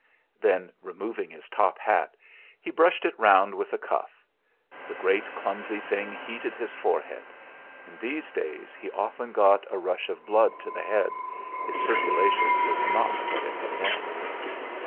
Then, removing his top hat, he brushed it round with a cuff. The great clumsy thing heated his forehead; in these days he often got a rush of blood to the head his circulation was not what it had been.